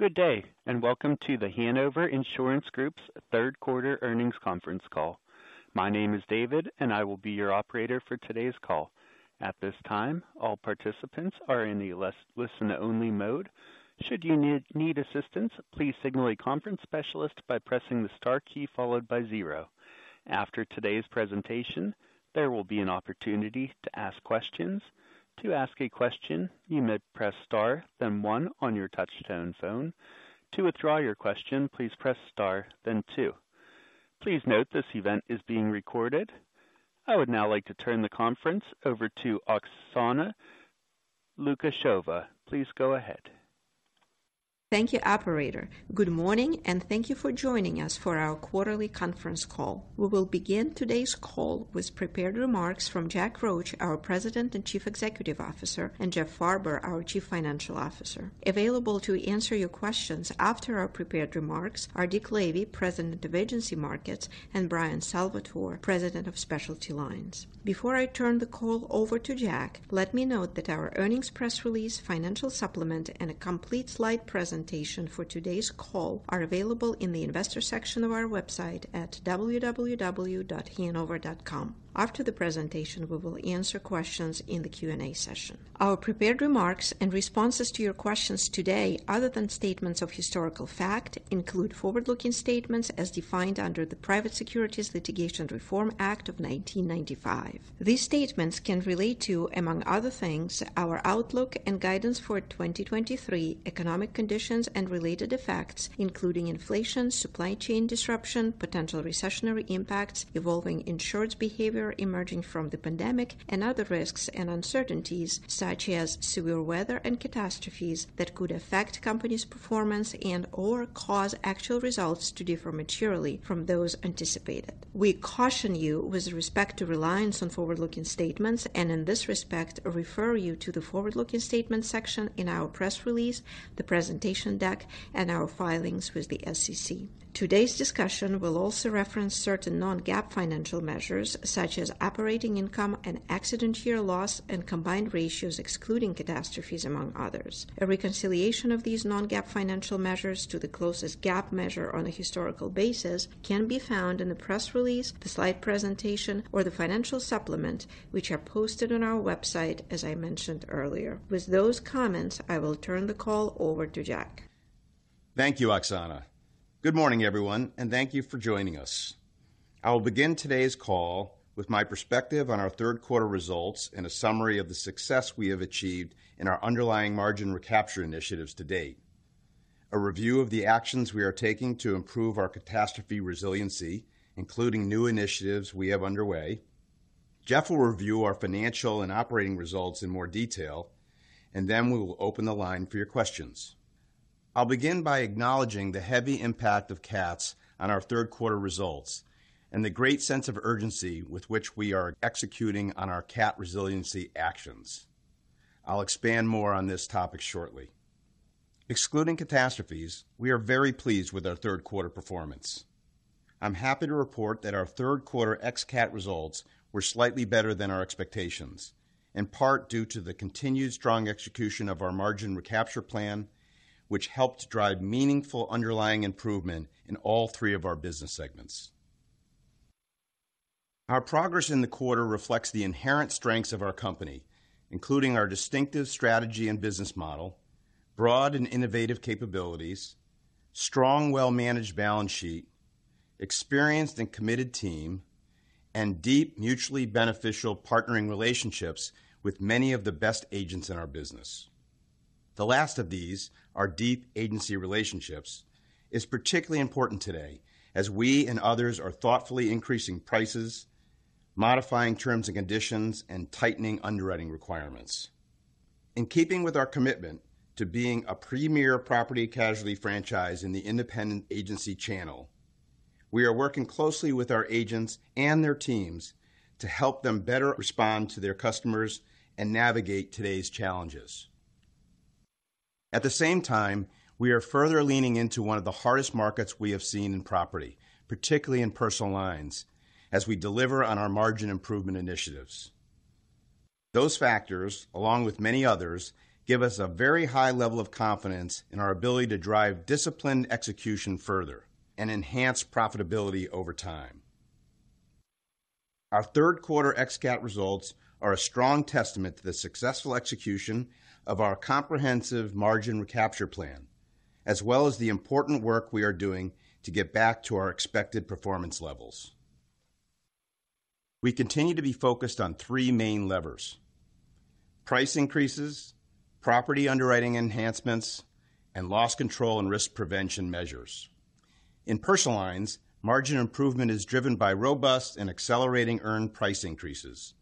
Good day, and welcome to The Hanover Insurance Group's third quarter earnings conference call. My name is David, and I will be your operator for today's call. At this time, all participants are in a listen-only mode. Should you need assistance, please signal a conference specialist by pressing the star key followed by zero. After today's presentation, there will be an opportunity to ask questions. To ask a question, you may press star, then one on your touchtone phone. To withdraw your question, please press star, then two. Please note, this event is being recorded. I would now like to turn the conference over to Oksana Lukasheva. Please go ahead. Thank you, operator. Good morning, and thank you for joining us for our quarterly conference call. We will begin today's call with prepared remarks from Jack Roche, our President and Chief Executive Officer, and Jeff Farber, our Chief Financial Officer. Available to answer your questions after our prepared remarks are Dick Lavey, President of Agency Markets, and Bryan Salvatore, President of Specialty Lines. Before I turn the call over to Jack, let me note that our earnings press release, financial supplement, and a complete slide presentation for today's call are available in the investor section of our website at www.hanover.com. After the presentation, we will answer questions in the Q&A session. Our prepared remarks and responses to your questions today, other than statements of historical fact, include forward-looking statements as defined under the Private Securities Litigation Reform Act of 1995. These statements can relate to, among other things, our outlook and guidance for 2023, economic conditions and related effects, including inflation, supply chain disruption, potential recessionary impacts, evolving insureds' behavior emerging from the pandemic, and other risks and uncertainties such as severe weather and catastrophes that could affect the company's performance and/or cause actual results to differ materially from those anticipated. We caution you with respect to reliance on forward-looking statements and in this respect, refer you to the forward-looking statement section in our press release, the presentation deck, and our filings with the SEC. Today's discussion will also reference certain non-GAAP financial measures, such as operating income and accident year loss and combined ratios, excluding catastrophes, among others. A reconciliation of these non-GAAP financial measures to the closest GAAP measure on a historical basis can be found in the press release, the slide presentation, or the financial supplement, which are posted on our website, as I mentioned earlier. With those comments, I will turn the call over to Jack. Thank you, Oksana. Good morning, everyone, and thank you for joining us. I will begin today's call with my perspective on our third quarter results and a summary of the success we have achieved in our underlying margin recapture initiatives to date. A review of the actions we are taking to improve our catastrophe resiliency, including new initiatives we have underway. Jeff will review our financial and operating results in more detail, and then we will open the line for your questions. I'll begin by acknowledging the heavy impact of cats on our third quarter results and the great sense of urgency with which we are executing on our cat resiliency actions. I'll expand more on this topic shortly. Excluding catastrophes, we are very pleased with our third quarter performance. I'm happy to report that our third quarter ex-cat results were slightly better than our expectations, in part due to the continued strong execution of our margin recapture plan, which helped drive meaningful underlying improvement in all three of our business segments. Our progress in the quarter reflects the inherent strengths of our company, including our distinctive strategy and business model, broad and innovative capabilities, strong, well-managed balance sheet, experienced and committed team, and deep, mutually beneficial partnering relationships with many of the best agents in our business. The last of these, our deep agency relationships, is particularly important today as we and others are thoughtfully increasing prices, modifying terms and conditions, and tightening underwriting requirements. In keeping with our commitment to being a premier property casualty franchise in the independent agency channel, we are working closely with our agents and their teams to help them better respond to their customers and navigate today's challenges. At the same time, we are further leaning into one of the hardest markets we have seen in property, particularly in Personal Lines, as we deliver on our margin improvement initiatives. Those factors, along with many others, give us a very high level of confidence in our ability to drive disciplined execution further and enhance profitability over time. Our third quarter ex-cat results are a strong testament to the successful execution of our comprehensive margin recapture plan, as well as the important work we are doing to get back to our expected performance levels. We continue to be focused on three main levers: price increases, property underwriting enhancements, and loss control and risk prevention measures. In Personal Lines, margin improvement is driven by robust and accelerating earned price increases.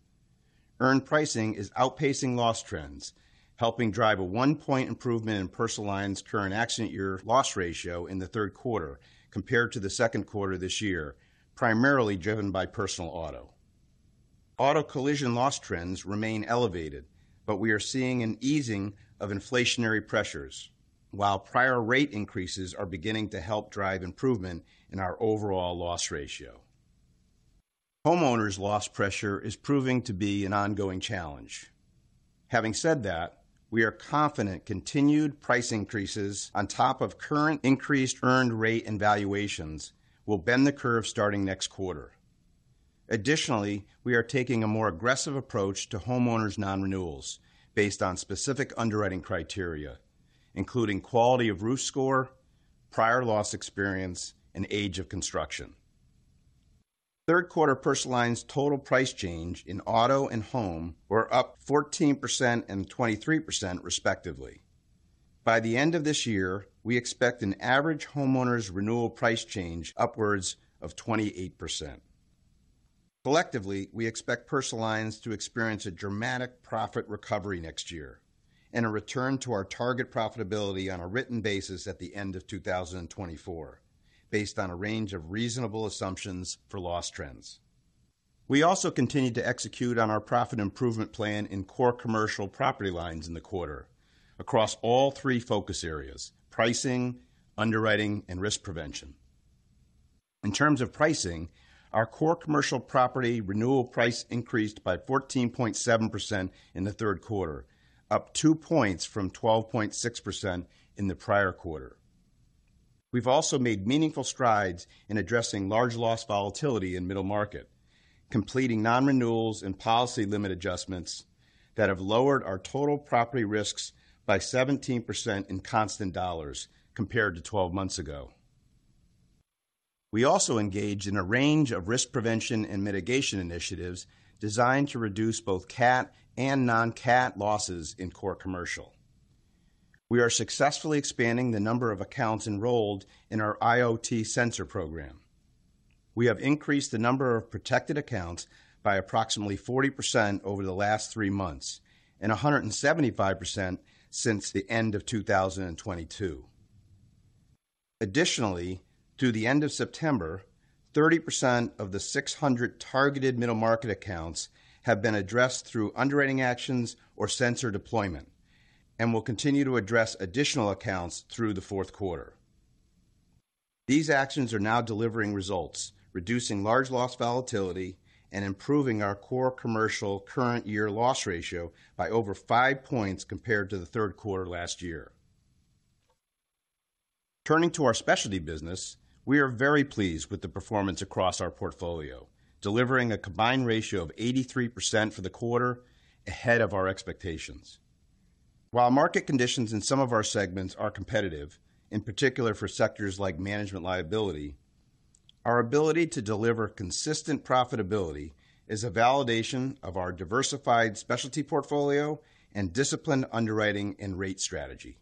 Earned pricing is outpacing loss trends, helping a one point improvement in Personal Lines current accident year loss ratio in the third quarter compared to the second quarter this year, primarily driven by personal auto. Auto collision loss trends remain elevated, but we are seeing an easing of inflationary pressures, while prior rate increases are beginning to help drive improvement in our overall loss ratio. Homeowners' loss pressure is proving to be an ongoing challenge. Having said that, we are confident continued price increases on top of current increased earned rate and valuations will bend the curve starting next quarter. Additionally, we are taking a more aggressive approach to homeowners non-renewals based on specific underwriting criteria, including quality of roof score, prior loss experience, and age of construction. Third quarter Personal Lines' total price change in auto and home were up 14% and 23%, respectively. By the end of this year, we expect an average homeowners renewal price change upwards of 28%. Collectively, we expect Personal Lines to experience a dramatic profit recovery next year and a return to our target profitability on a written basis at the end of 2024, based on a range of reasonable assumptions for loss trends. We also continued to execute on our profit improvement plan in core commercial property lines in the quarter across all three focus areas: pricing, underwriting, and risk prevention. In terms of pricing, our core commercial property renewal price increased by 14.7% in the third quarter, up two points from 12.6% in the prior quarter. We've also made meaningful strides in addressing large loss volatility in middle market, completing non-renewals and policy limit adjustments that have lowered our total property risks by 17% in constant dollars compared to 12 months ago. We also engaged in a range of risk prevention and mitigation initiatives designed to reduce both cat and non-cat losses in core commercial. We are successfully expanding the number of accounts enrolled in our IoT sensor program. We have increased the number of protected accounts by approximately 40% over the last three months and 175% since the end of 2022. Additionally, through the end of September, 30% of the 600 targeted middle market accounts have been addressed through underwriting actions or sensor deployment and will continue to address additional accounts through the fourth quarter. These actions are now delivering results, reducing large loss volatility, and improving our core commercial current year loss ratio by over five points compared to the third quarter last year. Turning to our Specialty business, we are very pleased with the performance across our portfolio, delivering a combined ratio of 83% for the quarter ahead of our expectations. While market conditions in some of our segments are competitive, in particular for sectors like Management Liability, our ability to deliver consistent profitability is a validation of our diversified specialty portfolio and disciplined underwriting and rate strategy.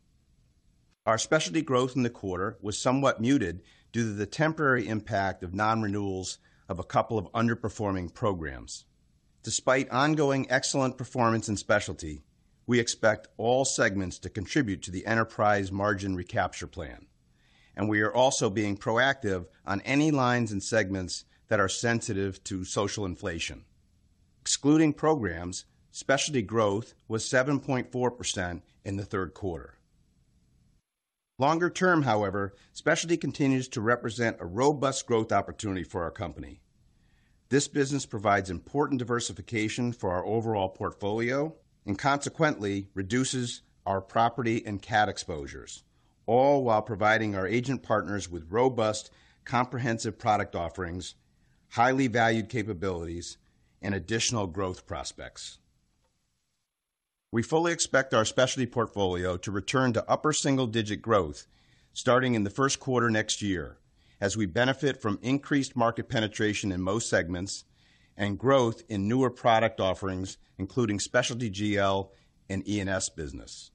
Our Specialty growth in the quarter was somewhat muted due to the temporary impact of non-renewals of a couple of underperforming programs. Despite ongoing excellent performance in Specialty, we expect all segments to contribute to the enterprise margin recapture plan, and we are also being proactive on any lines and segments that are sensitive to social inflation. Excluding programs, Specialty growth was 7.4% in the third quarter. Longer term, however, Specialty continues to represent a robust growth opportunity for our company. This business provides important diversification for our overall portfolio and consequently reduces our property and cat exposures, all while providing our agent partners with robust, comprehensive product offerings, highly valued capabilities, and additional growth prospects. We fully expect our Specialty portfolio to return to upper single-digit growth starting in the first quarter next year, as we benefit from increased market penetration in most segments and growth in newer product offerings, including Specialty GL and E&S business.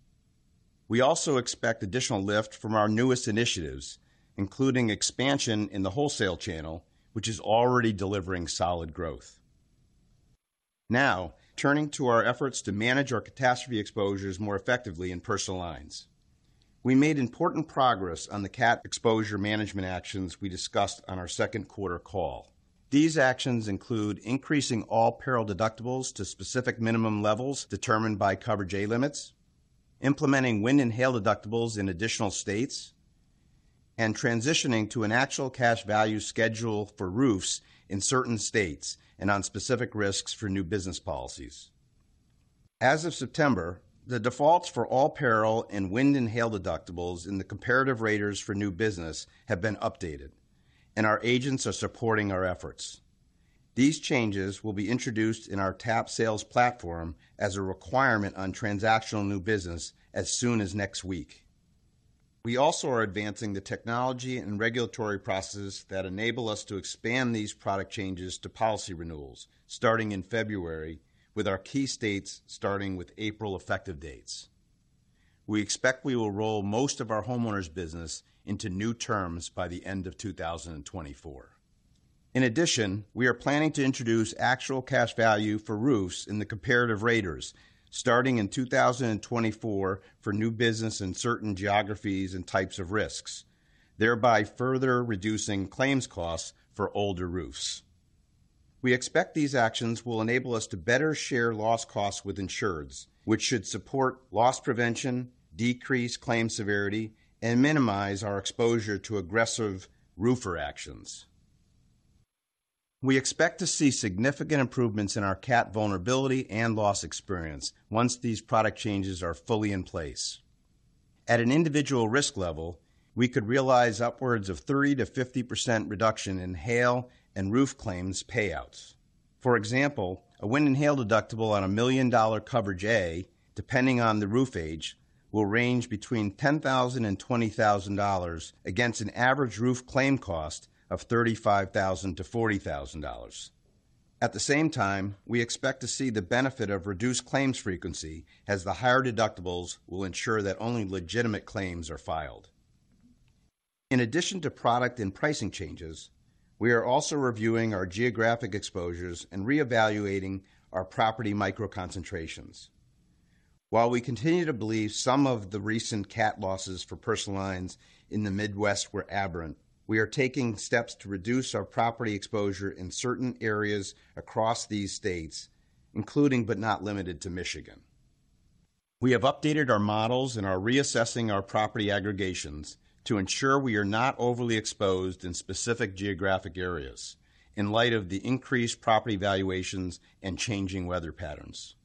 We also expect additional lift from our newest initiatives, including expansion in the wholesale channel, which is already delivering solid growth. Now, turning to our efforts to manage our catastrophe exposures more effectively in Personal Lines. We made important progress on the cat exposure management actions we discussed on our second quarter call. These actions include increasing all peril deductibles to specific minimum levels determined by Coverage A limits, implementing wind and hail deductibles in additional states, and transitioning to an actual cash value schedule for roofs in certain states and on specific risks for new business policies. As of September, the defaults for all peril and wind and hail deductibles in the comparative raters for new business have been updated, and our agents are supporting our efforts. These changes will be introduced in our TAP Sales platform as a requirement on transactional new business as soon as next week. We also are advancing the technology and regulatory processes that enable us to expand these product changes to policy renewals starting in February, with our key states starting with April effective dates. We expect we will roll most of our homeowners business into new terms by the end of 2024. In addition, we are planning to introduce actual cash value for roofs in the comparative raters starting in 2024 for new business in certain geographies and types of risks, thereby further reducing claims costs for older roofs. We expect these actions will enable us to better share loss costs with insureds, which should support loss prevention, decrease claims severity, and minimize our exposure to aggressive roofer actions. We expect to see significant improvements in our cat vulnerability and loss experience once these product changes are fully in place. At an individual risk level, we could realize upwards of 30%-50% reduction in hail and roof claims payouts. For example, a wind and hail deductible on a $1 million Coverage A, depending on the roof age, will range between $10,000-$20,000, against an average roof claim cost of $35,000-$40,000. At the same time, we expect to see the benefit of reduced claims frequency, as the higher deductibles will ensure that only legitimate claims are filed. In addition to product and pricing changes, we are also reviewing our geographic exposures and reevaluating our property micro concentrations. While we continue to believe some of the recent cat losses for Personal Lines in the Midwest were aberrant, we are taking steps to reduce our property exposure in certain areas across these states, including, but not limited to, Michigan. We have updated our models and are reassessing our property aggregations to ensure we are not overly exposed in specific geographic areas in light of the increased property valuations and changing weather patterns.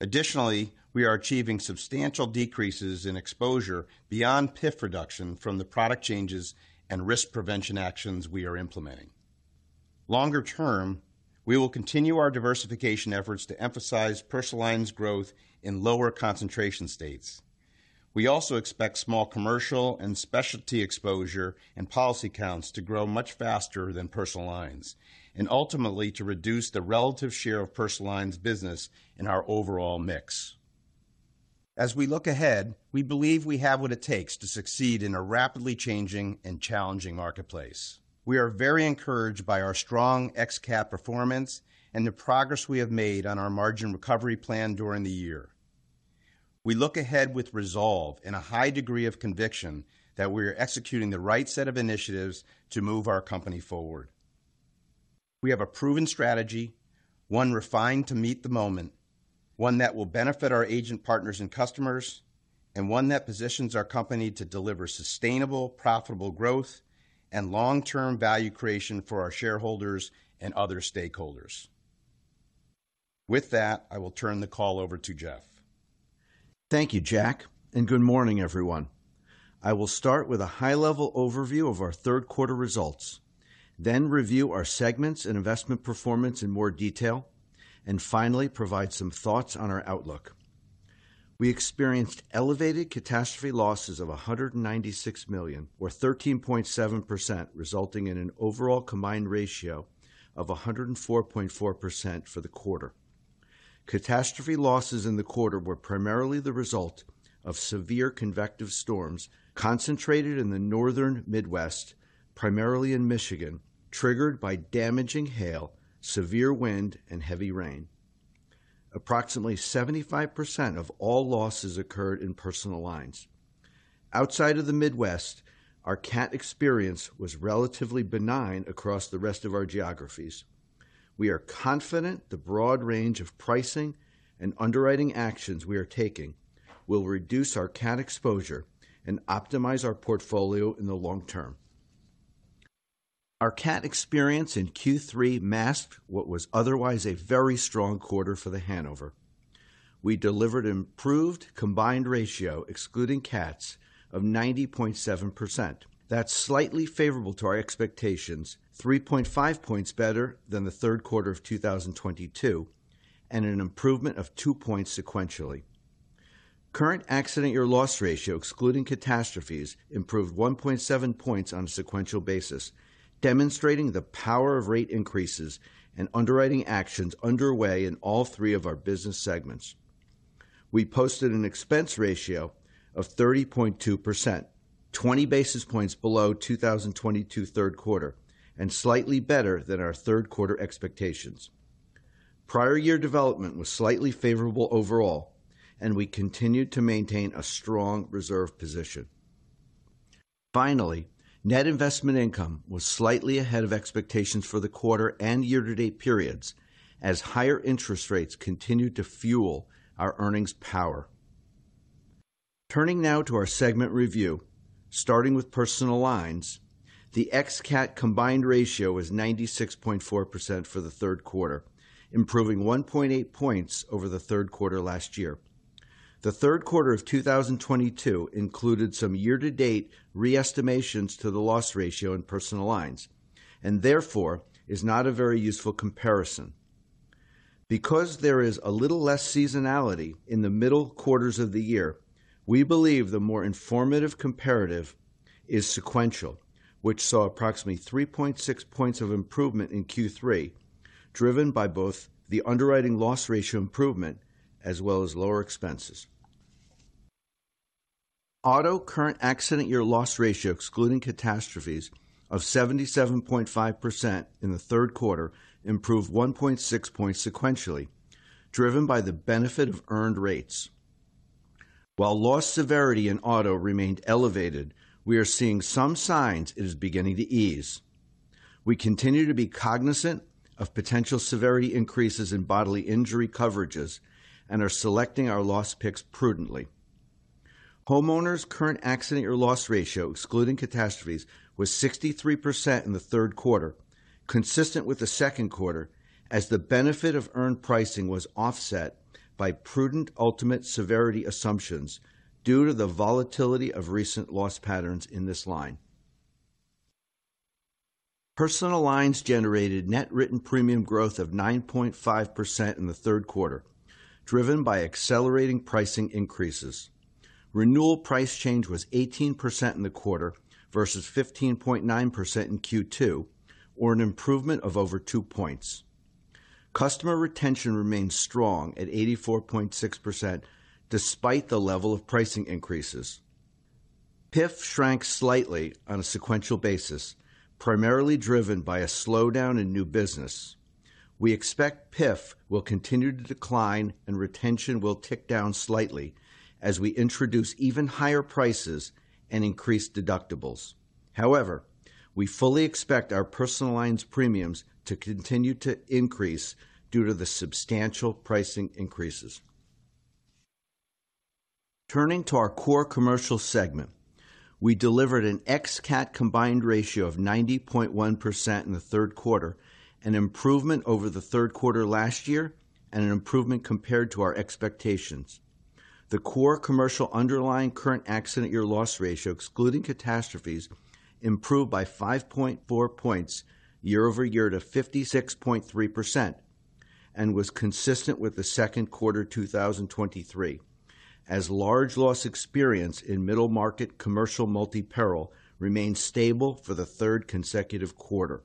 Additionally, we are achieving substantial decreases in exposure beyond PIF reduction from the product changes and risk prevention actions we are implementing. Longer term, we will continue our diversification efforts to emphasize Personal Lines growth in lower concentration states. We also expect small commercial and specialty exposure and policy counts to grow much faster than personal lines, and ultimately to reduce the relative share of personal lines business in our overall mix. As we look ahead, we believe we have what it takes to succeed in a rapidly changing and challenging marketplace. We are very encouraged by our strong ex-cat performance and the progress we have made on our margin recovery plan during the year. We look ahead with resolve and a high degree of conviction that we are executing the right set of initiatives to move our company forward. We have a proven strategy, one refined to meet the moment, one that will benefit our agent partners and customers, and one that positions our company to deliver sustainable, profitable growth and long-term value creation for our shareholders and other stakeholders. With that, I will turn the call over to Jeff. Thank you, Jack, and good morning, everyone. I will start with a high-level overview of our third quarter results, then review our segments and investment performance in more detail, and finally, provide some thoughts on our outlook. We experienced elevated catastrophe losses of $196 million, or 13.7%, resulting in an overall combined ratio of 104.4% for the quarter. Catastrophe losses in the quarter were primarily the result of severe convective storms concentrated in the northern Midwest, primarily in Michigan, triggered by damaging hail, severe wind, and heavy rain. Approximately 75% of all losses occurred in Personal Lines. Outside of the Midwest, our cat experience was relatively benign across the rest of our geographies. We are confident the broad range of pricing and underwriting actions we are taking will reduce our cat exposure and optimize our portfolio in the long term. Our cat experience in Q3 masked what was otherwise a very strong quarter for The Hanover. We delivered improved combined ratio, excluding cats, of 90.7%. That's slightly favorable to our expectations, 3.5 points better than the third quarter of 2022, and an improvement of two points sequentially. Current accident year loss ratio, excluding catastrophes, improved 1.7 points on a sequential basis, demonstrating the power of rate increases and underwriting actions underway in all three of our business segments. We posted an expense ratio of 30.2%, 20 basis points below 2022 third quarter, and slightly better than our third quarter expectations. Prior year development was slightly favorable overall, and we continued to maintain a strong reserve position. Finally, Net Investment Income was slightly ahead of expectations for the quarter and year-to-date periods, as higher interest rates continued to fuel our earnings power. Turning now to our segment review. Starting with Personal Lines, the ex-cat combined ratio is 96.4% for the third quarter, improving 1.8 points over the third quarter last year. The third quarter of 2022 included some year-to-date re-estimations to the loss ratio in Personal Lines, and therefore, is not a very useful comparison. Because there is a little less seasonality in the middle quarters of the year, we believe the more informative comparative is sequential, which saw approximately 3.6 points of improvement in Q3, driven by both the underwriting loss ratio improvement as well as lower expenses. Auto current accident year loss ratio, excluding catastrophes, of 77.5% in the third quarter, improved 1.6 points sequentially, driven by the benefit of earned rates. While loss severity in auto remained elevated, we are seeing some signs it is beginning to ease. We continue to be cognizant of potential severity increases in bodily injury coverages and are selecting our loss picks prudently. Homeowners' current accident year loss ratio, excluding catastrophes, was 63% in the third quarter, consistent with the second quarter, as the benefit of earned pricing was offset by prudent ultimate severity assumptions due to the volatility of recent loss patterns in this line. Personal lines generated net written premium growth of 9.5% in the third quarter, driven by accelerating pricing increases. Renewal price change was 18% in the quarter versus 15.9% in Q2, or an improvement of over two points. Customer retention remains strong at 84.6%, despite the level of pricing increases. PIF shrank slightly on a sequential basis, primarily driven by a slowdown in new business. We expect PIF will continue to decline and retention will tick down slightly as we introduce even higher prices and increased deductibles. However, we fully expect our Personal Lines premiums to continue to increase due to the substantial pricing increases. Turning to our core commercial segment, we delivered an ex-cat combined ratio of 90.1% in the third quarter, an improvement over the third quarter last year and an improvement compared to our expectations. The core commercial underlying current accident year loss ratio, excluding catastrophes, improved by 5.4 points year-over-year to 56.3% and was consistent with the second quarter 2023, as large loss experience in middle market commercial multi-peril remained stable for the third consecutive quarter.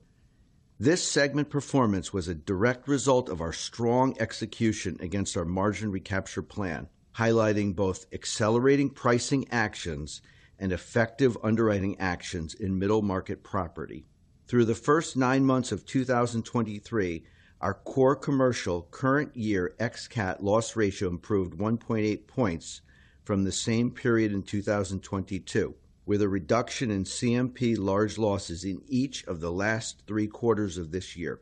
This segment performance was a direct result of our strong execution against our margin recapture plan, highlighting both accelerating pricing actions and effective underwriting actions in middle market property. Through the first nine months of 2023, our core commercial current year ex-cat loss ratio improved 1.8 points from the same period in 2022, with a reduction in CMP large losses in each of the last three quarters of this year.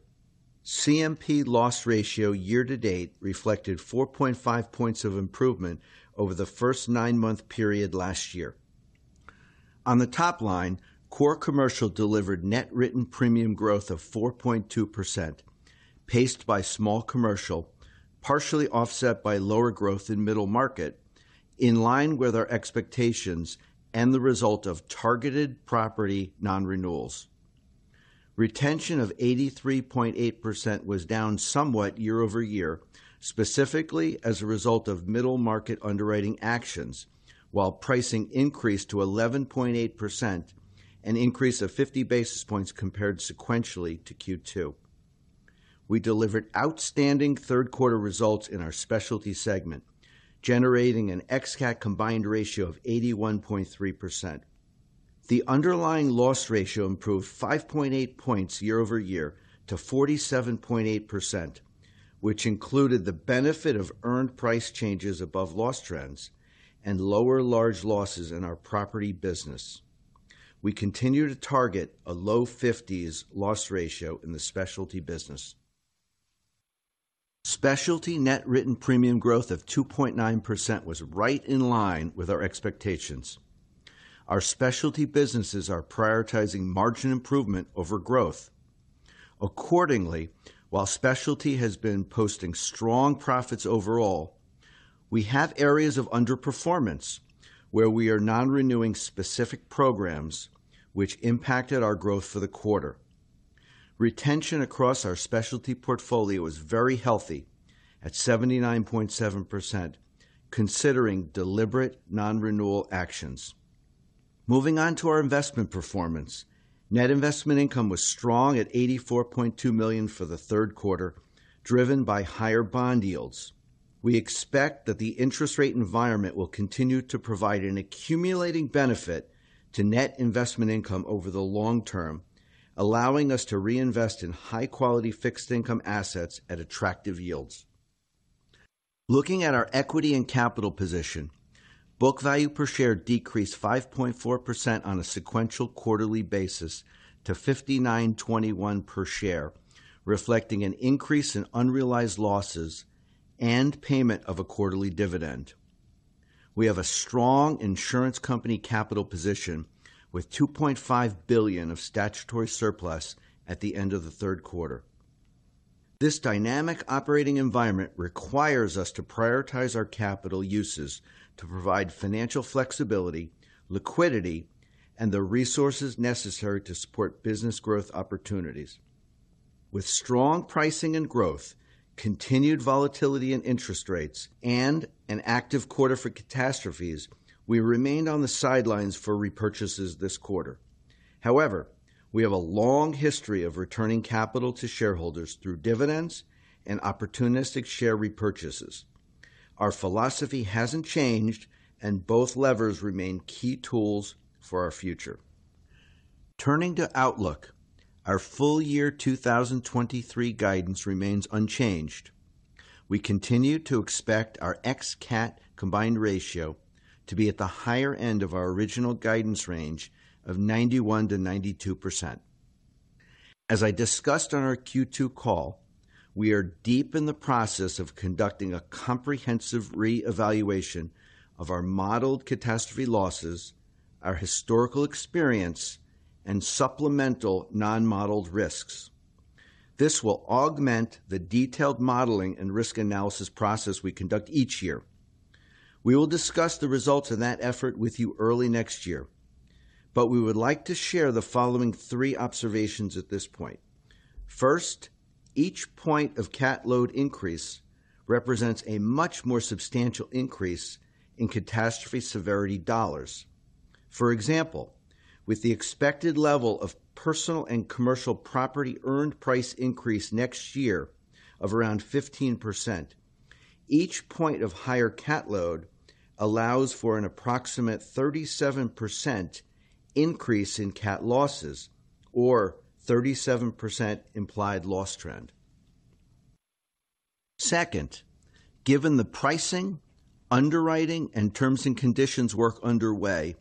CMP loss ratio year to date reflected 4.5 points of improvement over the first nine-month period last year. On the top line, core commercial delivered net written premium growth of 4.2%, paced by small commercial, partially offset by lower growth in middle market, in line with our expectations and the result of targeted property non-renewals. Retention of 83.8% was down somewhat year-over-year, specifically as a result of middle market underwriting actions, while pricing increased to 11.8%, an increase of 50 basis points compared sequentially to Q2. We delivered outstanding third quarter results in our specialty segment, generating an ex-cat combined ratio of 81.3%. The underlying loss ratio improved 5.8 points year-over-year to 47.8%, which included the benefit of earned price changes above loss trends and lower large losses in our property business. We continue to target a low 50s loss ratio in the specialty business. Specialty net written premium growth of 2.9% was right in line with our expectations. Our specialty businesses are prioritizing margin improvement over growth. Accordingly, while specialty has been posting strong profits overall, we have areas of underperformance where we are non-renewing specific programs which impacted our growth for the quarter. Retention across our specialty portfolio is very healthy at 79.7%, considering deliberate non-renewal actions. Moving on to our investment performance. Net investment income was strong at $84.2 million for the third quarter, driven by higher bond yields. We expect that the interest rate environment will continue to provide an accumulating benefit to net investment income over the long term, allowing us to reinvest in high-quality fixed income assets at attractive yields. Looking at our equity and capital position, book value per share decreased 5.4% on a sequential quarterly basis to $59.21 per share, reflecting an increase in unrealized losses and payment of a quarterly dividend. We have a strong insurance company capital position with $2.5 billion of statutory surplus at the end of the third quarter. This dynamic operating environment requires us to prioritize our capital uses to provide financial flexibility, liquidity, and the resources necessary to support business growth opportunities. With strong pricing and growth, continued volatility in interest rates, and an active quarter for catastrophes, we remained on the sidelines for repurchases this quarter. However, we have a long history of returning capital to shareholders through dividends and opportunistic share repurchases. Our philosophy hasn't changed, and both levers remain key tools for our future. Turning to outlook, our full year 2023 guidance remains unchanged. We continue to expect our ex-cat combined ratio to be at the higher end of our original guidance range of 91%-92%. As I discussed on our Q2 call, we are deep in the process of conducting a comprehensive reevaluation of our modeled catastrophe losses, our historical experience, and supplemental non-modeled risks. This will augment the detailed modeling and risk analysis process we conduct each year. We will discuss the results of that effort with you early next year, but we would like to share the following three observations at this point. First, each point of cat load increase represents a much more substantial increase in catastrophe severity dollars. For example, with the expected level of personal and commercial property earned price increase next year of around 15%, each point of higher cat load allows for an approximate 37% increase in cat losses or 37% implied loss trend. Second, given the pricing, underwriting, and terms and conditions work underway,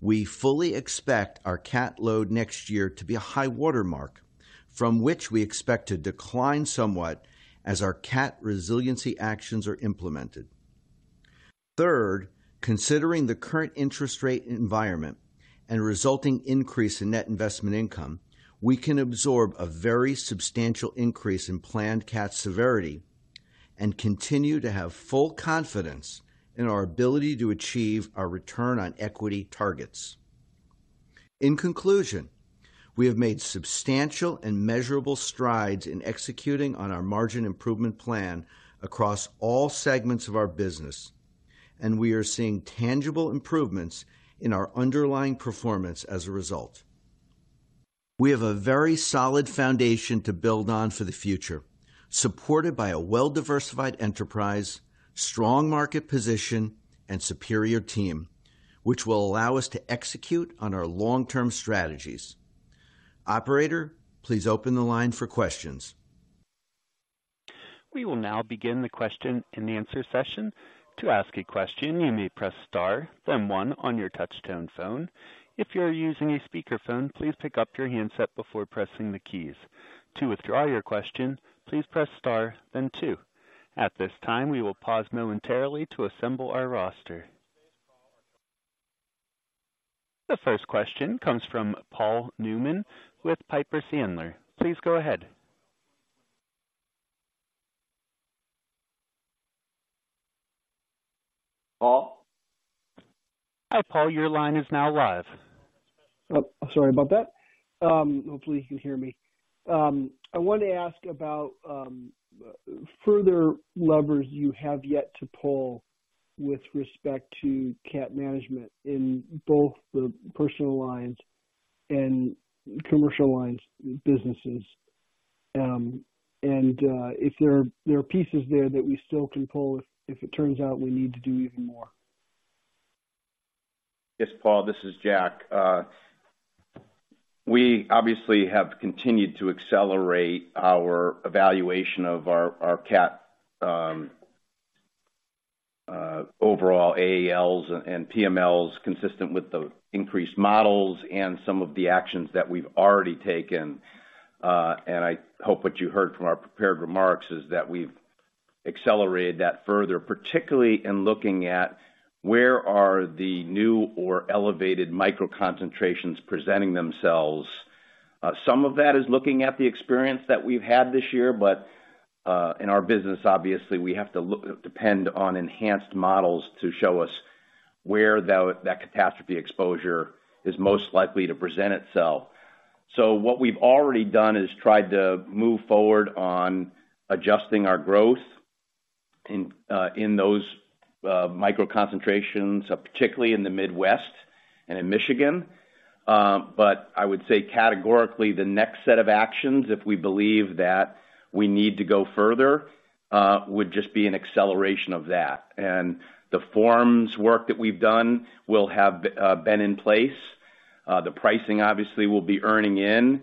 we fully expect our cat load next year to be a high watermark, from which we expect to decline somewhat as our cat resiliency actions are implemented. Third, considering the current interest rate environment and resulting increase in net investment income, we can absorb a very substantial increase in planned cat severity and continue to have full confidence in our ability to achieve our return on equity targets. In conclusion, we have made substantial and measurable strides in executing on our margin improvement plan across all segments of our business, and we are seeing tangible improvements in our underlying performance as a result. We have a very solid foundation to build on for the future, supported by a well-diversified enterprise, strong market position, and superior team, which will allow us to execute on our long-term strategies. Operator, please open the line for questions. We will now begin the question-and-answer session. To ask a question, you may press star, then one on your touchtone phone. If you are using a speakerphone, please pick up your handset before pressing the keys. To withdraw your question, please press star, then two. At this time, we will pause momentarily to assemble our roster. The first question comes from Paul Newsome with Piper Sandler. Please go ahead. Paul? Hi, Paul, your line is now live. Oh, sorry about that. Hopefully you can hear me. I want to ask about further levers you have yet to pull with respect to cat management in both the Personal Lines and commercial lines businesses, and if there are pieces there that we still can pull, if it turns out we need to do even more. Yes, Paul, this is Jack. We obviously have continued to accelerate our evaluation of our cat overall AALs and PMLs, consistent with the increased models and some of the actions that we've already taken. And I hope what you heard from our prepared remarks is that we've accelerated that further, particularly in looking at where are the new or elevated micro concentrations presenting themselves. Some of that is looking at the experience that we've had this year, but in our business, obviously, we have to depend on enhanced models to show us where that catastrophe exposure is most likely to present itself. So what we've already done is tried to move forward on adjusting our growth in those micro concentrations, particularly in the Midwest and in Michigan. But I would say categorically, the next set of actions, if we believe that we need to go further, would just be an acceleration of that. And the forms work that we've done will have been in place. The pricing obviously will be earning in,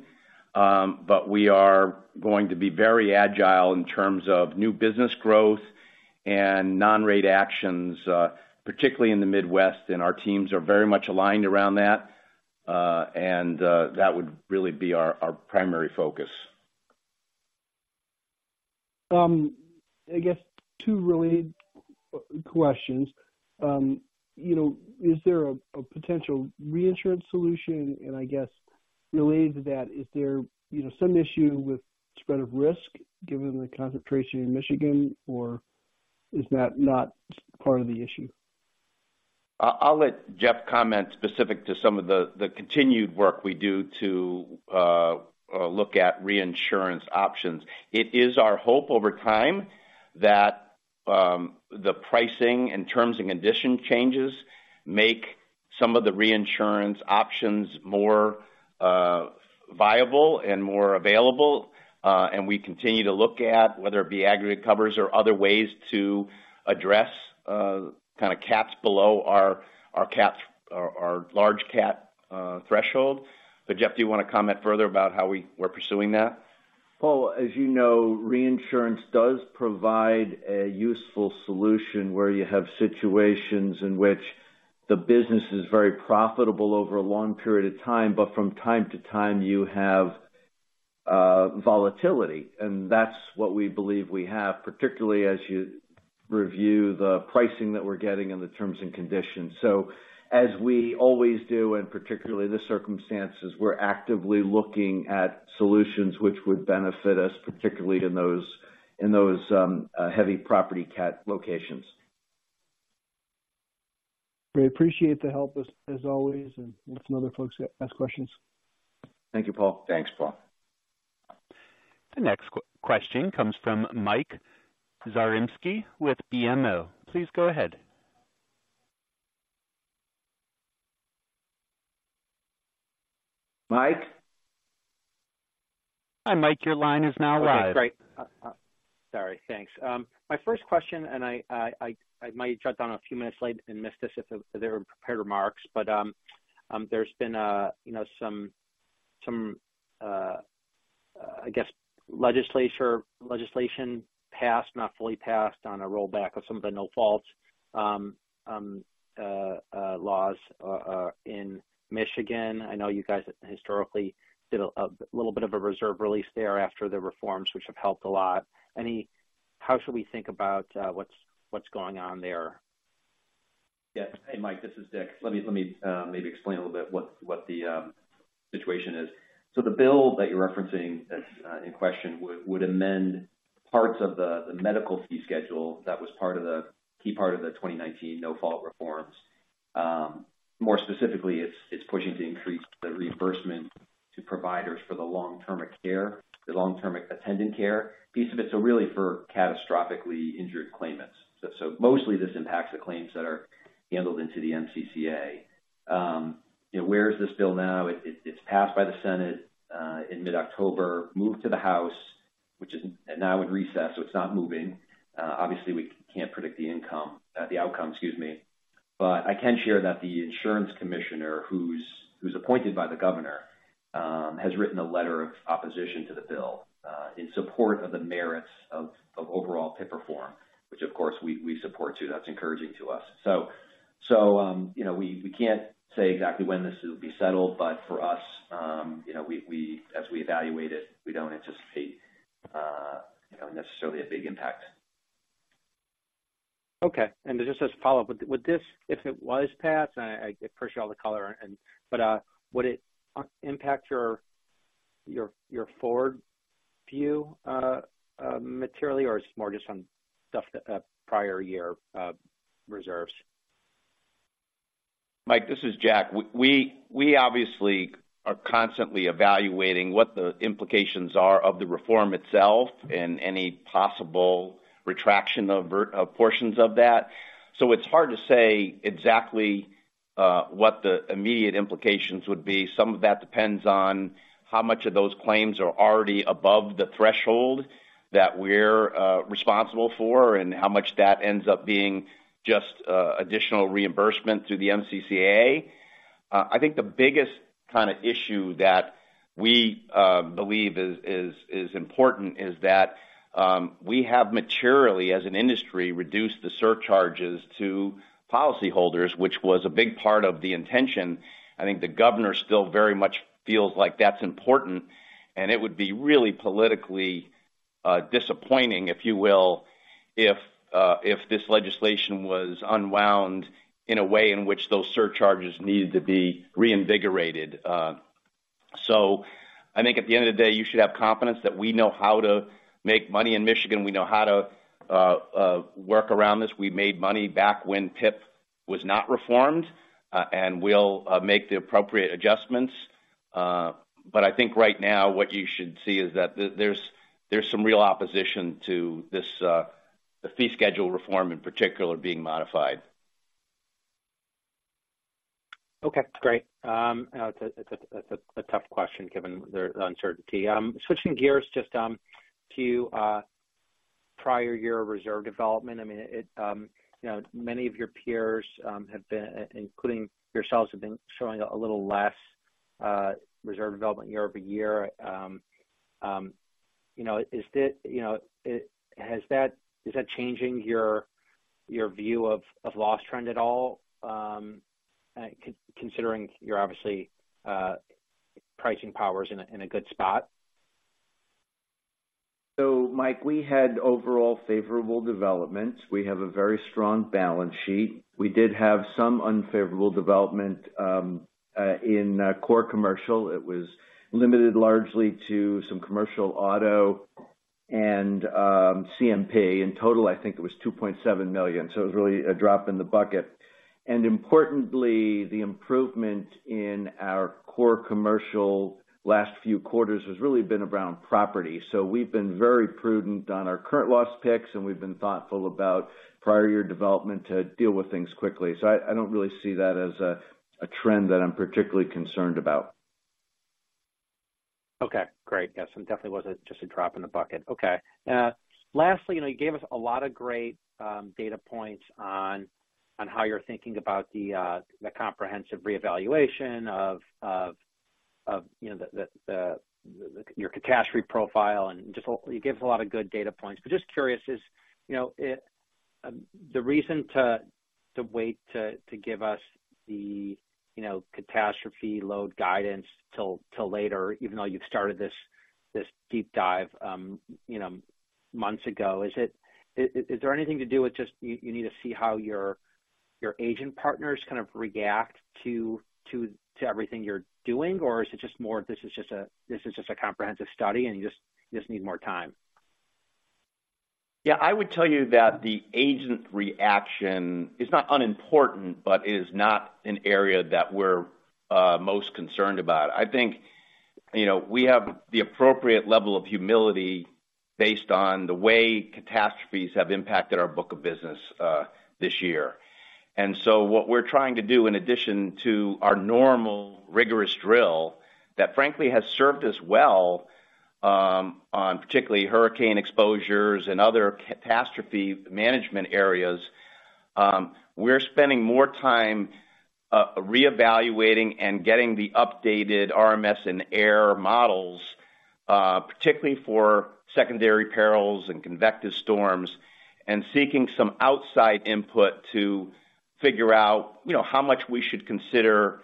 but we are going to be very agile in terms of new business growth and non-rate actions, particularly in the Midwest, and our teams are very much aligned around that. And that would really be our primary focus. I guess two related questions. You know, is there a potential reinsurance solution? And I guess related to that, is there, you know, some issue with spread of risk given the concentration in Michigan, or is that not part of the issue? I'll let Jeff comment specific to some of the continued work we do to look at reinsurance options. It is our hope over time that the pricing and terms and condition changes make some of the reinsurance options more viable and more available. And we continue to look at whether it be aggregate covers or other ways to address kind of cats below our large cat threshold. But, Jeff, do you want to comment further about how we're pursuing that? Paul, as you know, reinsurance does provide a useful solution where you have situations in which the business is very profitable over a long period of time, but from time to time, you have volatility. And that's what we believe we have, particularly as you review the pricing that we're getting and the terms and conditions. So as we always do, and particularly the circumstances, we're actively looking at solutions which would benefit us, particularly in those heavy property cat locations. We appreciate the help as always, and let some other folks ask questions. Thank you, Paul. Thanks, Paul. The next question comes from Mike Zaremski with BMO. Please go ahead. Mike? Hi, Mike, your line has now arrived. Okay, great. Sorry. Thanks. My first question, and I might have jumped on a few minutes late and missed this if they were prepared remarks, but there's been a, you know, some I guess, legislation passed, not fully passed, on a rollback of some of the no-fault laws in Michigan. I know you guys historically did a little bit of a reserve release there after the reforms, which have helped a lot. Anyway, how should we think about what's going on there? Yes. Hey, Mike, this is Dick. Let me maybe explain a little bit what the situation is. So the bill that you're referencing as in question would amend parts of the medical fee schedule that was part of the key part of the 2019 no-fault reforms. More specifically, it's pushing to increase the reimbursement to providers for the long-term care, the long-term attendant care piece of it, so really for catastrophically injured claimants. So mostly this impacts the claims that are handled into the MCCA. You know, where is this bill now? It's passed by the Senate in mid-October, moved to the House, which is now in recess, so it's not moving. Obviously, we can't predict the income, the outcome, excuse me. But I can share that the insurance commissioner, who's appointed by the governor, has written a letter of opposition to the bill in support of the merits of overall PIP reform, which, of course, we support, too. That's encouraging to us. So, you know, we can't say exactly when this will be settled, but for us, you know, as we evaluate it, we don't anticipate, you know, necessarily a big impact. Okay. And just as a follow-up, would this, if it was passed, and I appreciate all the color and... But, would it impact your forward view materially, or it's more just on stuff prior year reserves? Mike, this is Jack. We obviously are constantly evaluating what the implications are of the reform itself and any possible retraction of portions of that. So it's hard to say exactly what the immediate implications would be. Some of that depends on how much of those claims are already above the threshold that we're responsible for and how much that ends up being just additional reimbursement through the MCCA. I think the biggest kind of issue that we believe is important is that we have materially, as an industry, reduced the surcharges to policyholders, which was a big part of the intention. I think the governor still very much feels like that's important, and it would be really politically disappointing, if you will, if this legislation was unwound in a way in which those surcharges needed to be reinvigorated. So I think at the end of the day, you should have confidence that we know how to make money in Michigan. We know how to work around this. We made money back when PIP was not reformed, and we'll make the appropriate adjustments. But I think right now, what you should see is that there's some real opposition to this, the fee schedule reform, in particular, being modified. Okay, great. It's a tough question given the uncertainty. Switching gears just to prior year reserve development. I mean, you know, many of your peers, including yourselves, have been showing a little less reserve development year over year. You know, is that changing your view of loss trend at all, considering your obviously pricing power's in a good spot? So, Mike, we had overall favorable developments. We have a very strong balance sheet. We did have some unfavorable development in core commercial. It was limited largely to some commercial auto and CMP. In total, I think it was $2.7 million, so it was really a drop in the bucket. And importantly, the improvement in our core commercial last few quarters has really been around property. So we've been very prudent on our current loss picks, and we've been thoughtful about prior year development to deal with things quickly. So I don't really see that as a trend that I'm particularly concerned about. Okay, great. Yes, it definitely was just a drop in the bucket. Okay. Lastly, you know, you gave us a lot of great data points on how you're thinking about the comprehensive reevaluation of you know your catastrophe profile and just hopefully you give us a lot of good data points. But just curious, you know, the reason to wait to give us the you know catastrophe load guidance till later, even though you've started this deep dive you know months ago, is it is there anything to do with just you need to see how your agent partners kind of react to everything you're doing? Or is it just more? This is just a comprehensive study, and you just need more time? Yeah, I would tell you that the agent reaction is not unimportant, but it is not an area that we're most concerned about. I think, you know, we have the appropriate level of humility based on the way catastrophes have impacted our book of business this year. And so what we're trying to do, in addition to our normal rigorous drill, that frankly has served us well on particularly hurricane exposures and other catastrophe management areas, we're spending more time reevaluating and getting the updated RMS and AIR models particularly for secondary perils and convective storms, and seeking some outside input to figure out, you know, how much we should consider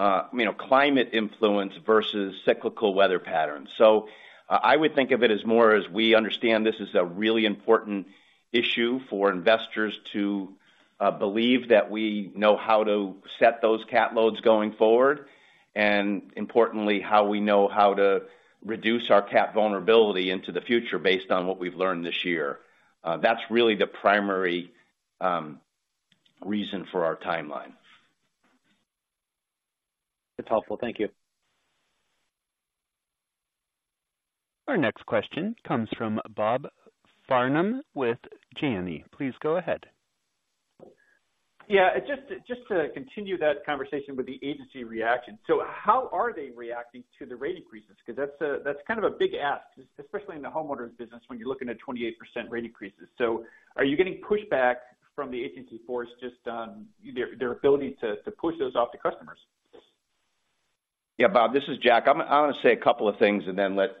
you know climate influence versus cyclical weather patterns. So I would think of it as more as we understand this is a really important issue for investors to believe that we know how to set those cat loads going forward, and importantly, how we know how to reduce our cat vulnerability into the future based on what we've learned this year. That's really the primary reason for our timeline. That's helpful. Thank you. Our next question comes from Bob Farnam with Janney. Please go ahead. Yeah, just, just to continue that conversation with the agency reaction. So how are they reacting to the rate increases? Because that's a - that's kind of a big ask, especially in the homeowners business, when you're looking at 28% rate increases. So are you getting pushback from the agency force just on their, their ability to, to push those off to customers? Yeah, Bob, this is Jack. I want to say a couple of things and then let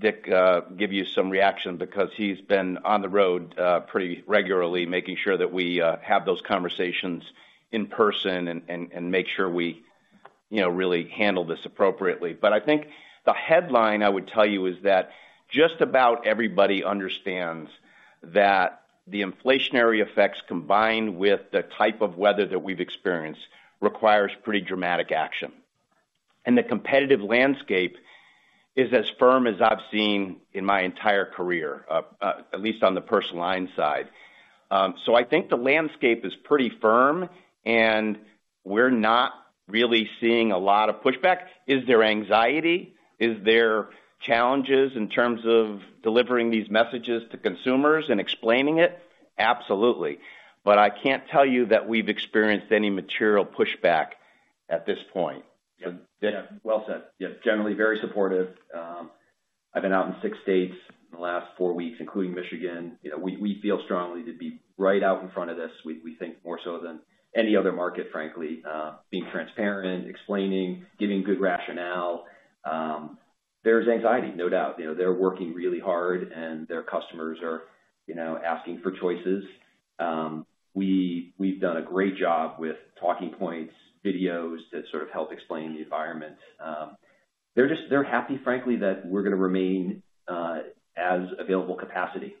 Dick give you some reaction because he's been on the road pretty regularly, making sure that we have those conversations in person and make sure we, you know, really handle this appropriately. But I think the headline I would tell you is that just about everybody understands that the inflationary effects, combined with the type of weather that we've experienced, requires pretty dramatic action. And the competitive landscape is as firm as I've seen in my entire career, at least on the Personal Lines side. So I think the landscape is pretty firm, and we're not really seeing a lot of pushback. Is there anxiety? Is there challenges in terms of delivering these messages to consumers and explaining it? Absolutely. But I can't tell you that we've experienced any material pushback at this point. Yeah. Well said. Yeah, generally very supportive. I've been out in six states in the last four weeks, including Michigan. You know, we feel strongly to be right out in front of this. We think more so than any other market, frankly, being transparent, explaining, giving good rationale. There's anxiety, no doubt. You know, they're working really hard, and their customers are, you know, asking for choices. We’ve done a great job with talking points, videos that sort of help explain the environment. They're just—they're happy, frankly, that we're going to remain as available capacity.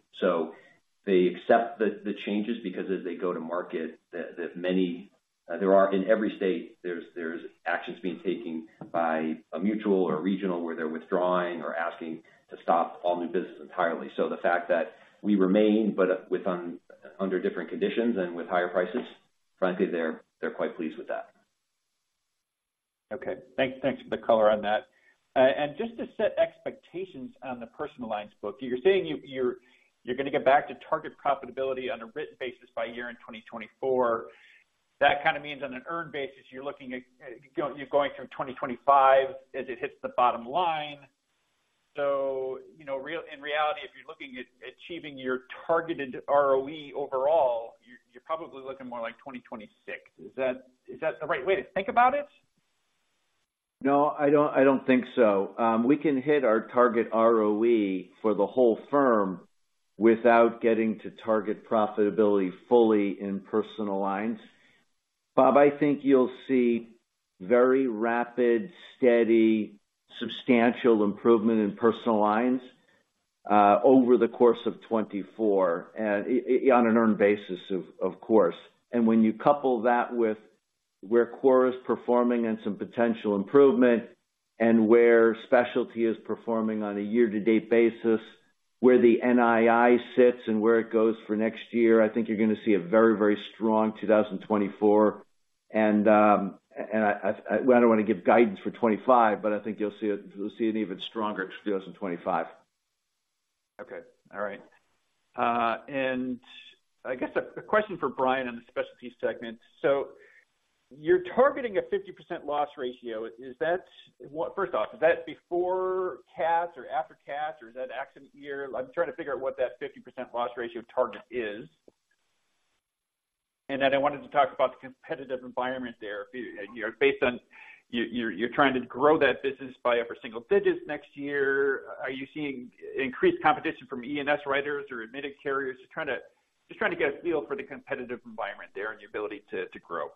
They accept the changes because as they go to market, the many—in every state, there's actions being taken by a mutual or regional, where they're withdrawing or asking to stop all new business entirely. So the fact that we remain, but with under different conditions and with higher prices, frankly, they're quite pleased with that. Okay, thanks. Thanks for the color on that. And just to set expectations on the Personal Lines book, you're saying you're going to get back to target profitability on a written basis by year-end 2024. That kind of means on an earned basis, you're looking at you're going through 2025 as it hits the bottom line. So, you know, in reality, if you're looking at achieving your targeted ROE overall, you're probably looking more like 2026. Is that the right way to think about it? No, I don't, I don't think so. We can hit our target ROE for the whole firm without getting to target profitability fully in Personal Lines. Bob, I think you'll see very rapid, steady, substantial improvement in Personal Lines over the course of 2024, and on an earned basis, of course. And when you couple that with where core is performing and some potential improvement, and where specialty is performing on a year-to-date basis, where the NII sits and where it goes for next year, I think you're going to see a very, very strong 2024. And, well, I don't want to give guidance for 2025, but I think you'll see it. You'll see an even stronger 2025. Okay. All right. And I guess a question for Bryan on the specialty segment. So, you're targeting a 50% loss ratio. Is that, what—first off, is that before cats or after cats, or is that accident year? I'm trying to figure out what that 50% loss ratio target is. And then I wanted to talk about the competitive environment there. Based, you know, based on you, you're trying to grow that business by upper single digits next year. Are you seeing increased competition from E&S writers or admitted carriers? Just trying to, just trying to get a feel for the competitive environment there and your ability to grow.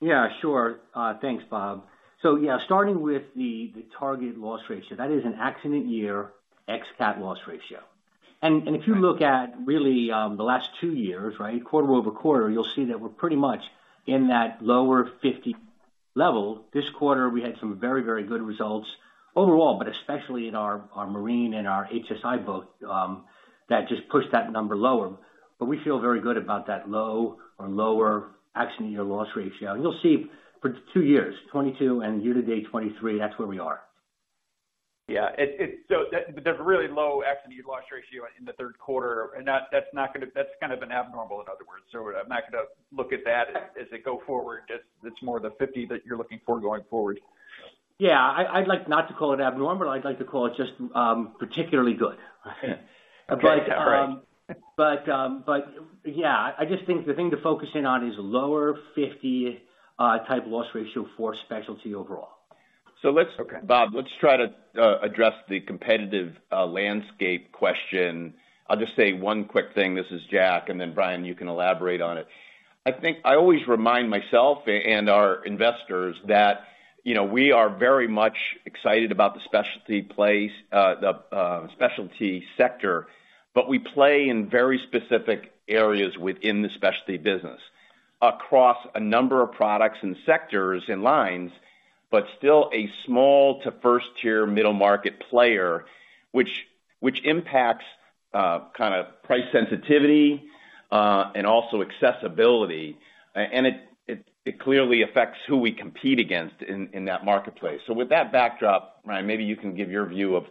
Yeah, sure. Thanks, Bob. So, yeah, starting with the, the target loss ratio, that is an accident year, ex-cat loss ratio. And, and if you look at really, the last two years, right, quarter-over-quarter, you'll see that we're pretty much in that lower 50 level. This quarter, we had some very, very good results overall, but especially in our, our Marine and our HSI book, that just pushed that number lower. But we feel very good about that low or lower accident year loss ratio. And you'll see for two years, 2022 and year to date, 2023, that's where we are. Yeah, so the really low accident year loss ratio in the third quarter, and that's not gonna... That's kind of an abnormal, in other words. So I'm not gonna look at that as I go forward. Just, it's more the 50 that you're looking for going forward. Yeah, I, I'd like not to call it abnormal, I'd like to call it just, particularly good. Okay. Great. Yeah, I just think the thing to focus in on is lower 50-type loss ratio for specialty overall. So let's- Okay. Bob, let's try to address the competitive landscape question. I'll just say one quick thing, this is Jack, and then, Bryan, you can elaborate on it. I think I always remind myself and our investors that, you know, we are very much excited about the specialty space, the specialty sector, but we play in very specific areas within the specialty business, across a number of products and sectors and lines, but still a small to first-tier middle market player, which impacts kind of price sensitivity and also accessibility, and it clearly affects who we compete against in that marketplace. So with that backdrop, Bryan, maybe you can give your view of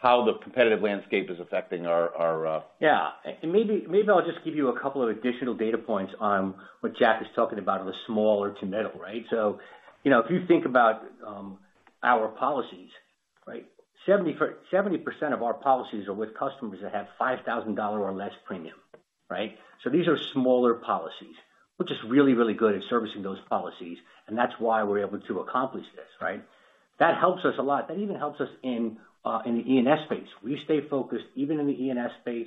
how the competitive landscape is affecting our- Yeah. And maybe, maybe I'll just give you a couple of additional data points on what Jack is talking about in the smaller to middle, right? So, you know, if you think about, our policies, right, 70% of our policies are with customers that have $5,000 or less premium, right? So these are smaller policies. We're just really, really good at servicing those policies, and that's why we're able to accomplish this, right? That helps us a lot. That even helps us in, in the E&S space. We stay focused, even in the E&S space,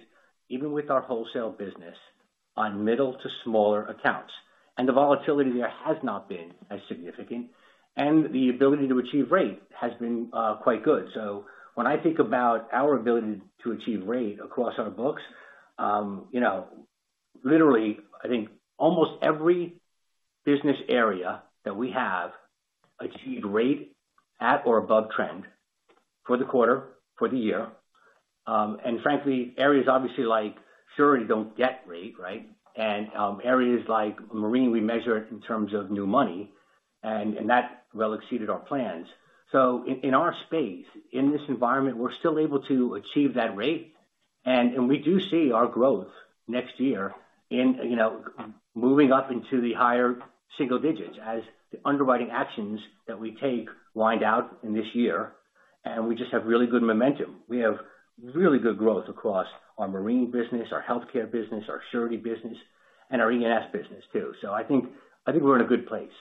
even with our wholesale business, on middle to smaller accounts. And the volatility there has not been as significant, and the ability to achieve rate has been, quite good. So when I think about our ability to achieve rate across our books, you know, literally, I think almost every business area that we have achieved rate at or above trend for the quarter, for the year. And frankly, areas obviously like Surety don't get rate, right? And areas like Marine, we measure it in terms of new money, and that well exceeded our plans. So in our space, in this environment, we're still able to achieve that rate. And we do see our growth next year in, you know, moving up into the higher single digits as the underwriting actions that we take wind out in this year, and we just have really good momentum. We have really good growth across our Marine business, our Healthcare business, our Surety business, and our E&S business, too. I think we're in a good place.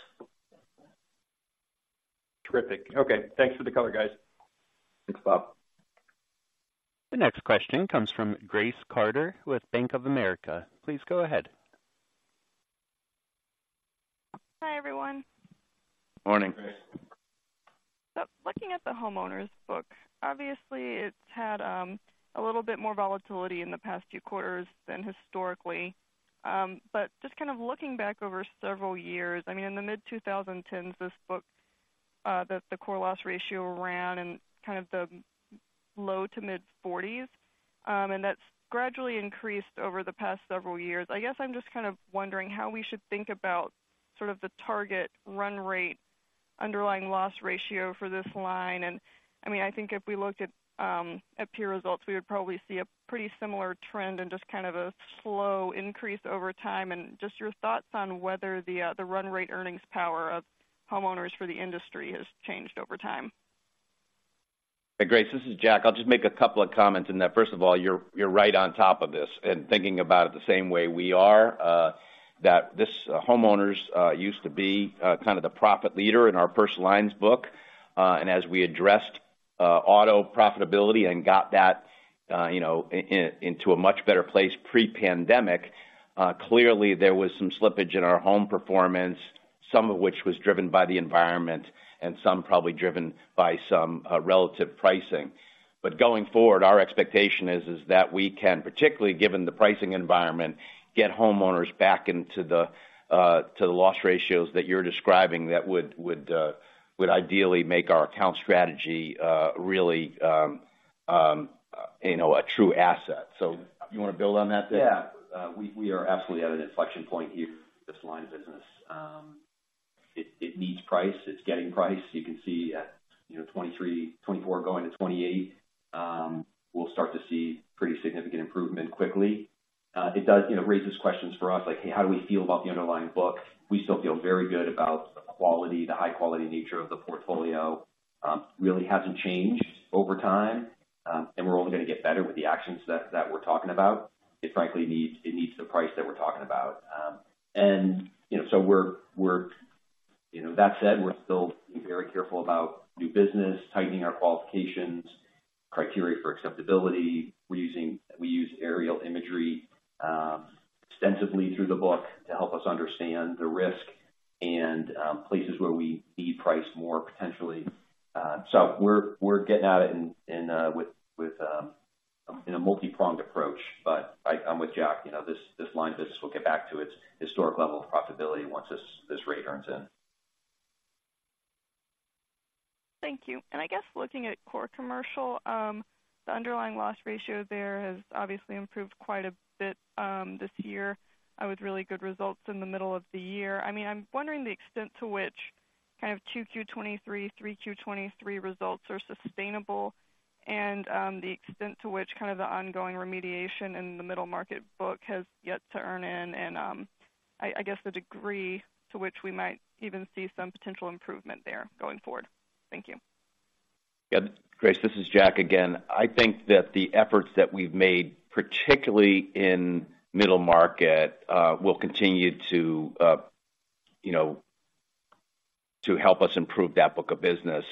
Terrific. Okay, thanks for the color, guys. Thanks, Bob. The next question comes from Grace Carter with Bank of America. Please go ahead. Hi, everyone. Morning. So looking at the homeowners book, obviously, it's had a little bit more volatility in the past few quarters than historically. But just kind of looking back over several years, I mean, in the mid-2010s, this book, the core loss ratio ran in kind of the low to mid-40s, and that's gradually increased over the past several years. I guess I'm just kind of wondering how we should think about sort of the target run rate, underlying loss ratio for this line. And I mean, I think if we looked at peer results, we would probably see a pretty similar trend and just kind of a slow increase over time. And just your thoughts on whether the run rate earnings power of homeowners for the industry has changed over time. Hey, Grace, this is Jack. I'll just make a couple of comments in that. First of all, you're right on top of this and thinking about it the same way we are, that this Homeowners used to be kind of the profit leader in our Personal Lines book. And as we addressed auto profitability and got that, you know, in into a much better place pre-pandemic, clearly there was some slippage in our home performance, some of which was driven by the environment and some probably driven by some relative pricing. But going forward, our expectation is that we can, particularly given the pricing environment, get Homeowners back into the loss ratios that you're describing, that would ideally make our account strategy really, you know, a true asset. So you want to build on that, Dick? Yeah. We are absolutely at an inflection point here for this line of business. It needs price. It's getting price. You can see at, you know, 2023, 2024, going to 2028, we'll start to see pretty significant improvement quickly. ... it does, you know, raises questions for us, like, hey, how do we feel about the underlying book? We still feel very good about the quality. The high-quality nature of the portfolio really hasn't changed over time. And we're only going to get better with the actions that we're talking about. It frankly needs, it needs the price that we're talking about. And, you know, so we're, you know, that said, we're still being very careful about new business, tightening our qualifications, criteria for acceptability. We're using—we use aerial imagery extensively through the book to help us understand the risk and places where we need price more potentially. So we're getting at it in a multipronged approach. But I'm with Jack, you know, this line of business will get back to its historic level of profitability once this rate earns in. Thank you. I guess looking at core commercial, the underlying loss ratio there has obviously improved quite a bit, this year, with really good results in the middle of the year. I mean, I'm wondering the extent to which kind of 2Q 2023, 3Q 2023 results are sustainable, and the extent to which kind of the ongoing remediation in the middle market book has yet to earn in, and, I guess, the degree to which we might even see some potential improvement there going forward. Thank you. Yeah, Grace, this is Jack again. I think that the efforts that we've made, particularly in middle market, will continue to, you know, to help us improve that book of business.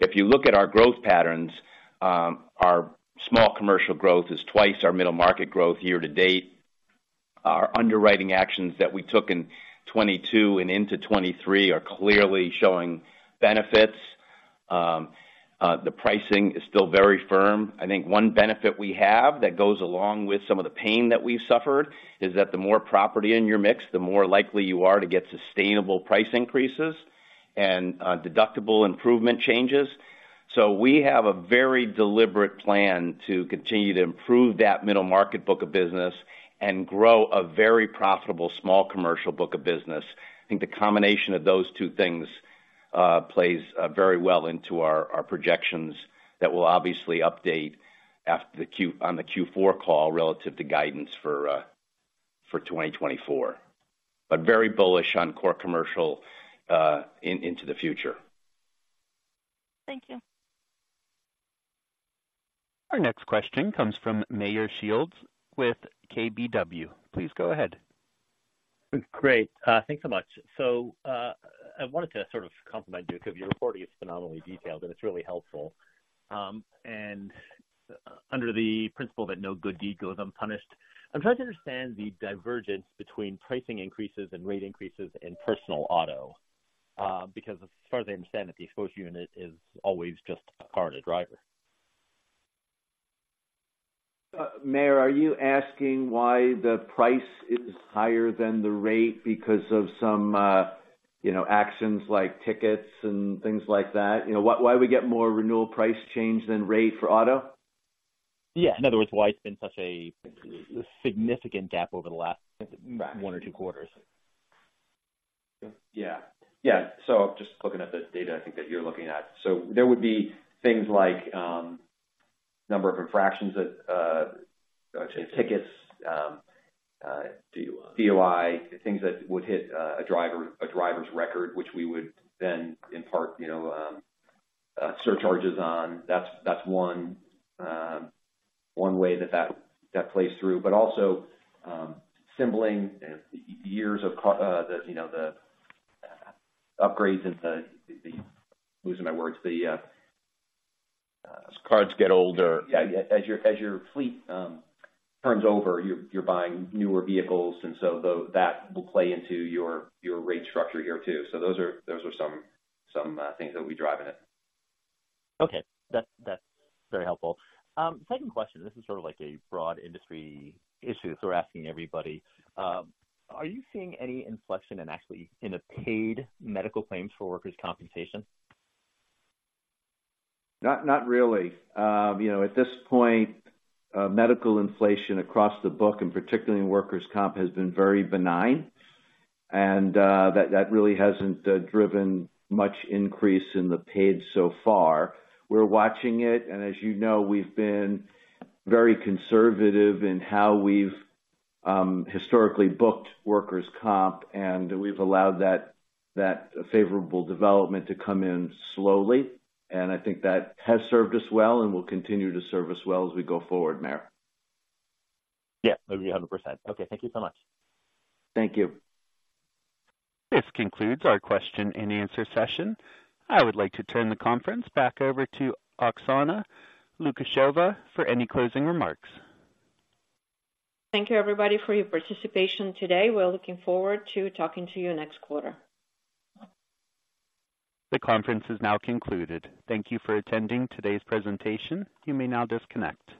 If you look at our growth patterns, our small commercial growth is twice our middle market growth year to date. Our underwriting actions that we took in 2022 and into 2023 are clearly showing benefits. The pricing is still very firm. I think one benefit we have that goes along with some of the pain that we've suffered, is that the more property in your mix, the more likely you are to get sustainable price increases and, deductible improvement changes. So we have a very deliberate plan to continue to improve that middle market book of business and grow a very profitable small commercial book of business. I think the combination of those two things plays very well into our projections that we'll obviously update after the Q3 on the Q4 call relative to guidance for 2024. But very bullish on core commercial into the future. Thank you. Our next question comes from Meyer Shields with KBW. Please go ahead. Great. Thanks so much. So, I wanted to sort of compliment you, because your reporting is phenomenally detailed, and it's really helpful. And under the principle that no good deed goes unpunished, I'm trying to understand the divergence between pricing increases and rate increases in personal auto, because as far as I understand it, the exposed unit is always just a car and a driver. Meyer, are you asking why the price is higher than the rate because of some, you know, actions like tickets and things like that? You know, why, why we get more renewal price change than rate for auto? Yeah. In other words, why it's been such a significant gap over the last one or two quarters? Yeah. Yeah. So just looking at the data, I think, that you're looking at. So there would be things like, number of infractions that, I'd say tickets, DUI. DUI, things that would hit a driver, a driver's record, which we would then, in part, you know, surcharges on. That's one way that plays through. But also, assembling years of the, you know, the upgrades in the... I'm losing my words. The- As cars get older. Yeah, as your fleet turns over, you're buying newer vehicles, and so that will play into your rate structure here, too. So those are some things that we drive in it. Okay. That's, that's very helpful. Second question, this is sort of like a broad industry issue, so we're asking everybody. Are you seeing any inflection in actually in a paid medical claims for workers' compensation? Not really. You know, at this point, medical inflation across the book, and particularly in workers' comp, has been very benign, and that really hasn't driven much increase in the paid so far. We're watching it, and as you know, we've been very conservative in how we've historically booked workers' comp, and we've allowed that favorable development to come in slowly. And I think that has served us well and will continue to serve us well as we go forward, Meyer. Yeah, agree 100%. Okay. Thank you so much. Thank you. This concludes our question-and-answer session. I would like to turn the conference back over to Oksana Lukasheva for any closing remarks. Thank you, everybody, for your participation today. We're looking forward to talking to you next quarter. The conference is now concluded. Thank you for attending today's presentation. You may now disconnect.